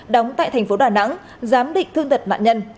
đóng tại thành phố đà nẵng giám định thương tật nạn nhân